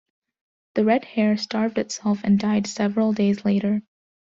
The Red Hare starved itself and died several days later.